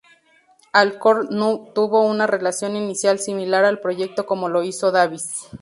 Alcorn tuvo una reacción inicial similar al proyecto como lo hizo Davis.